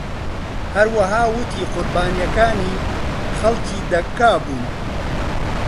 هەروەها ووتی قوربانیەکانی خەڵکی داکا بوون.